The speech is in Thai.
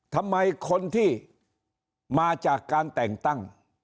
ทำไมคนที่มาจากการแต่งตั้ง